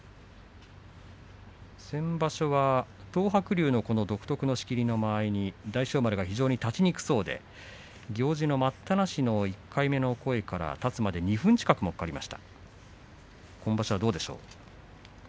先場所は東白龍の独特の仕切りの間合いに大翔丸が非常に立ちにくそうで行司の待ったなしの１回目の声から立つまで２分近くがたっています。